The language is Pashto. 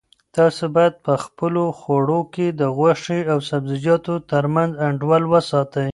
تاسو باید په خپلو خوړو کې د غوښې او سبزیجاتو ترمنځ انډول وساتئ.